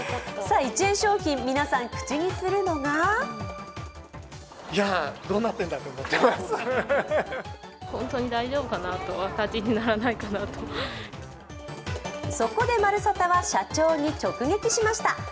１円商品、皆さん口にするのがそこで「まるサタ」は社長に直撃しました。